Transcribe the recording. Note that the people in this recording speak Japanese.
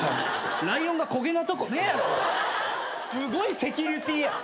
ライオンがこげなとこすごいセキュリティーや。